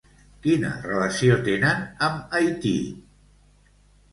Quina relació tenen amb Haití?